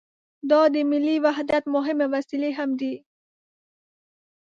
دا د ملي وحدت مهمې وسیلې هم دي.